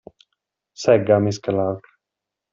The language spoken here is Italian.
Segga, miss Clark.